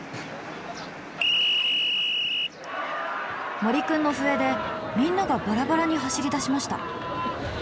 森くんの笛でみんながバラバラに走りだしました。